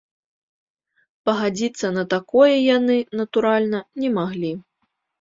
Пагадзіцца на такое яны, натуральна, не маглі.